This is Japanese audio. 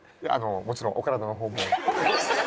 もちろんお体の方も。